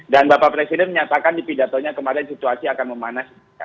dan bapak presiden menyatakan di pidatonya kemarin situasi akan memanas